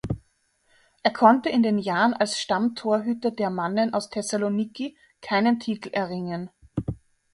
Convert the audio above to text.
Er konnte in den Jahren als Stammtorhüter der Mannen aus Thessaloniki keinen Titel erringen.